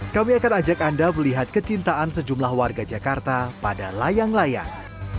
kami akan ajak anda melihat kecintaan sejumlah warga jakarta pada layang layang